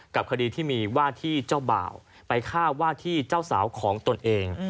กับคดีที่มีว่าที่เจ้าบ่าวไปฆ่าว่าที่เจ้าสาวของตนเอง